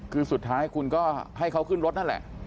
คือสุดท้ายคุณก็ให้เขาขึ้นรถนั่นแหละ